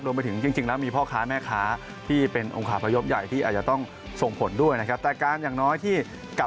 จริงแล้วมีพ่อค้าแม่ค้าที่เป็นองคาพยพใหญ่ที่อาจจะต้องส่งผลด้วยนะครับ